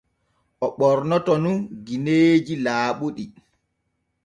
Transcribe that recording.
O ɓornoto nun gineeji laaɓuɗi.